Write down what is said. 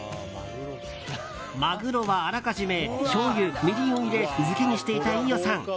マグロはあらかじめしょうゆ、みりんを入れ漬けにしていた飯尾さん。